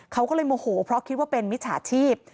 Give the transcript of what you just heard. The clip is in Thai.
เขาก็เลยโมโหเพราะคิดว่าเป็นมิจฉาชีพ